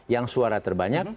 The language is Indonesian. yang suara terbanyak